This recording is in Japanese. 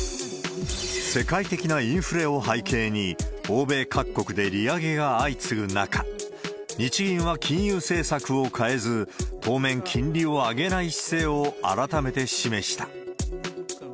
世界的なインフレを背景に、欧米各国で利上げが相次ぐ中、日銀は金融政策を変えず、当面金利を上げない姿勢を改めて示した。